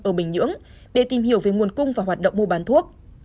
ở bình nhưỡng để tìm hiểu về nguồn cung và hoạt động mua bán thuốc